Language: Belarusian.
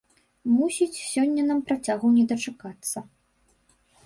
Мусіць, сёння нам працягу не дачакацца.